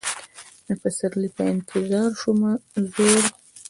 د پسرلي په انتظار شومه زوړ